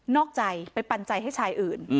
อกใจไปปันใจให้ชายอื่น